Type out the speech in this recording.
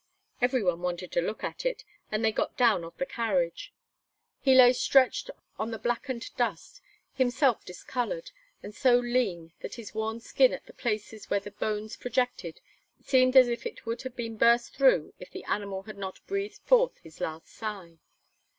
Everyone wanted to look at it, and they got down off the carriage. He lay stretched on the blackened dust, himself discolored, and so lean that his worn skin at the places where the bones projected seemed as if it would have been burst through if the animal had not breathed forth his last sigh.